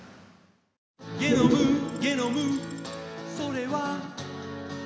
「ゲノムゲノムそれは」